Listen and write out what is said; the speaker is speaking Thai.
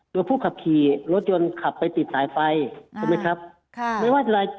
โดยผู้ขับขี่รถยนต์ขับไปติดสายไฟใช่ไหมครับ